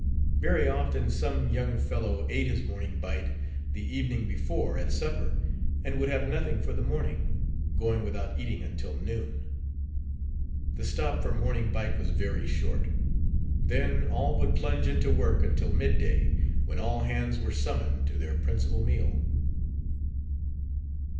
Very often some young fellow ate his morning bite the evening before at supper and would have nothing for the morning, going without eating until noon. The stop for morning bite was very short; then all would plunge into work until mid day, when all hands were summoned to their principal meal.